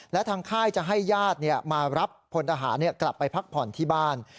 และทางค่ายจะให้ญาติมารับพลทหารกลับไปพักผ่อนที่บ้าน